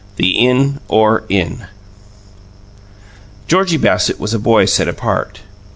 THE IN OR IN Georgie Bassett was a boy set apart.